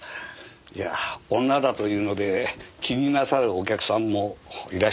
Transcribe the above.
いや女だというので気になさるお客さんもいらっしゃるもんで。